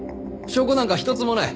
証拠なんか一つもない。